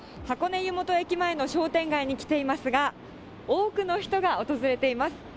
箱根湯本駅前の商店街に来ていますが、多くの人が訪れています。